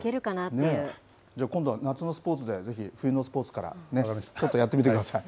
今度は、夏のスポーツでぜひ冬のスポーツからね、ちょっとやってみてください。